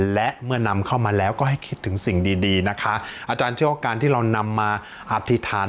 และเมื่อนำเข้ามาแล้วก็ให้คิดถึงสิ่งดีดีนะคะอาจารย์เชื่อว่าการที่เรานำมาอธิษฐาน